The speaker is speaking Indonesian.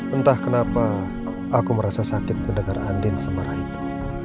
entah kenapa aku merasa sakit mendengar andin semarah itu